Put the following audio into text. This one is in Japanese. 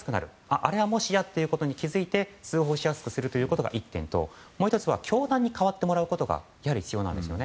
あれはもしやに気づいて通報しやすくすることが１点ともう１つは教団に変わってもらうことがやはり必要なんですね。